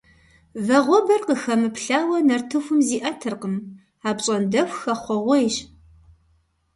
Вагъуэбэр къыхэмыплъауэ нартыхум зиӀэтыркъым, апщӀондэху хэхъуэгъуейщ.